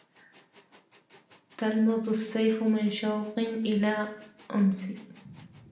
تلمظ السيف من شوق إلى أنس